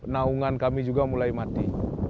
naungan kami juga mulai mati